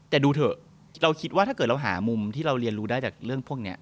แต่ดูเถอะเราคิดว่าถ้าเกิดเราหามุมที่เราเรียนรู้ได้จากเรื่องพวกนี้